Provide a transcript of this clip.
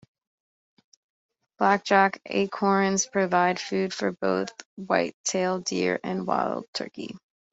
Blackjack acorns provide food for both whitetail deer and wild turkey.